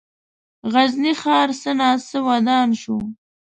غزني ښار څه ناڅه ودان شو.